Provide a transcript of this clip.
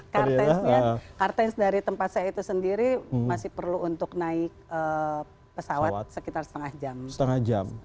kartensnya kartens dari tempat saya itu sendiri masih perlu untuk naik pesawat sekitar setengah jam